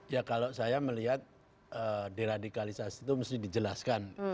ya kalau saya melihat deradikalisasi itu mesti dijelaskan